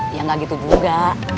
iya gak gitu juga